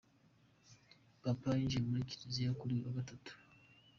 Papa yinjir amu Kiliziya kuri uyu wa gatatu.